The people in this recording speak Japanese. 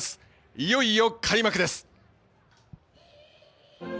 いよいよ開幕です。